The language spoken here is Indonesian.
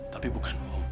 tapi bukan om